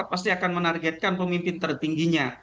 pasti akan menargetkan pemimpin tertingginya